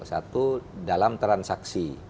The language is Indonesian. satu dalam transaksi